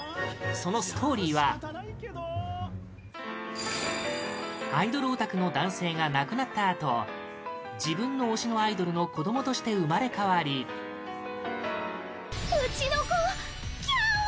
そのストーリーはアイドルオタクの男性が亡くなったあと自分の推しのアイドルの子供として生まれ変わりアイ：うちの子、きゃわ！